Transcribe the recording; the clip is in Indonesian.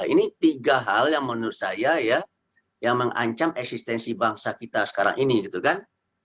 ini tiga hal yang menurut saya ya yang mengancam eksistensi bangsa kita sekarang ini gitu kan